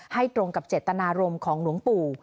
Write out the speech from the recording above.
ตรงกับเจตนารมณ์ของหลวงปู่